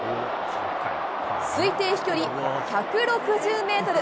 推定飛距離１６０メートル。